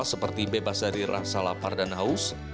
seperti bebas dari rasa lapar dan haus